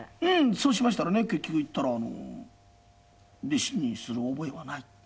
そうしましたらね結局行ったら「弟子にする覚えはない」。